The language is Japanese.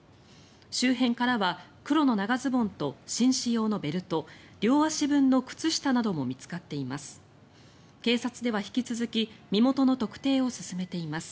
周辺からは黒の長ズボンと紳士用のベルト両足用の靴下なども見つかっています。